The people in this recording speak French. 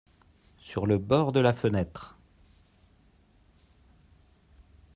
sur le bord de la fenêtre.